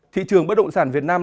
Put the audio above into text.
thị trường bất động sản việt nam